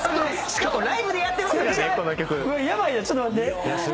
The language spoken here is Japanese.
しかもライブでやってます